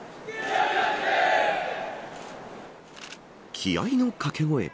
気合いの掛け声。